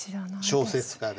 小説家です。